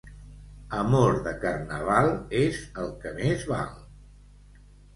Amor de Carnaval és el que més val.